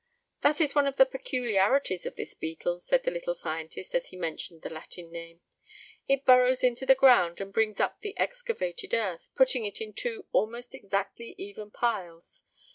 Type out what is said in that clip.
"That is one of the peculiarities of this beetle," said the little scientist, as he mentioned the Latin name. "It burrows into the ground, and brings up the excavated earth, putting it in two almost exactly even piles.